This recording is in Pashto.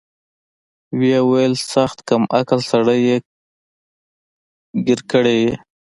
ويې ويل سخت کم عقله سړى يې ګير کړى يې.